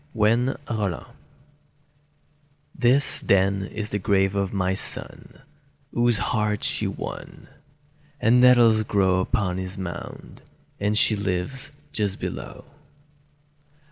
THE NETTLES THIS, then, is the grave of my son, Whose heart she won! And nettles grow Upon his mound; and she lives just below.